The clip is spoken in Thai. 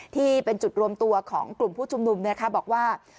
ที่เป็นจุดรวมตัวของกลุ่มผู้ชุมนุมบอกว่า